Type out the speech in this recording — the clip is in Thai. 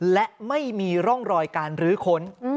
และไม่มีร่องรอยการรื้อค้น